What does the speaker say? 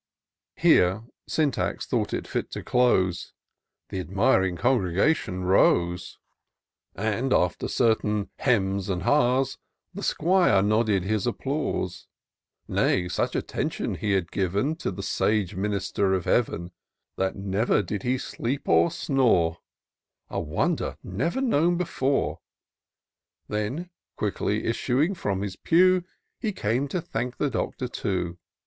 Here Syntax thought it fit to close : Th' admiring congregation rose ; And after certain hems and ha's, The 'Squire nodded his applause : Nay, such attention he had given To the sage Minister of Heaven, That neither did he sleep nor snore — A wonder never known before. Then quickly issuing from his pew. He came to thank the Doctor too.